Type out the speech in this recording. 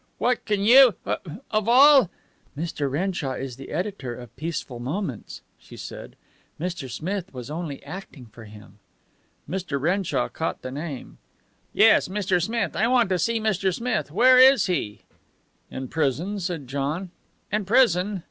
"What can you ! Of all !" "Mr. Renshaw is the editor of Peaceful Moments," she said. "Mr. Smith was only acting for him." Mr. Renshaw caught the name. "Yes. Mr. Smith. I want to see Mr. Smith. Where is he?" "In prison," said John. "In prison!"